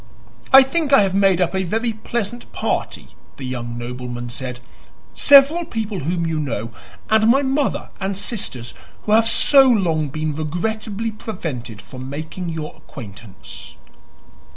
"I think I have made up a very pleasant party," the young nobleman said. "Several people whom you know, and my mother and sisters, who have so long been regrettably prevented from making your acquaintance."